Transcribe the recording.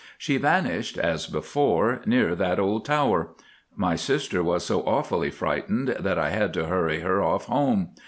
She vanished, as before, near that old tower. My sister was so awfully frightened that I had to hurry her off home.